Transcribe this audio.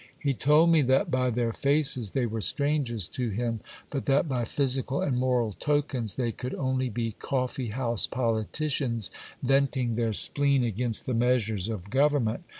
He told me that by their faces they were strangers to him ; but that by physical and moral tokens they could only be coffee house politi cians, venting their spleen against the measures of government.